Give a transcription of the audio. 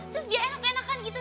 terus dia enak enakan gitu